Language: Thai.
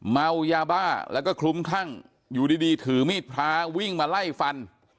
เมายาบ้าแล้วก็คลุ้มคลั่งอยู่ดีถือมีดพระวิ่งมาไล่ฟัน